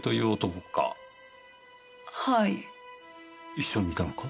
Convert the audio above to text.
一緒にいたのか？